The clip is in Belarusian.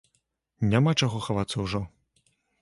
Няма чаго хавацца ўжо!